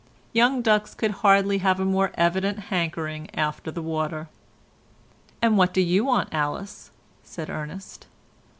Young ducks could hardly have a more evident hankering after the water. "And what do you want, Alice?" said Ernest.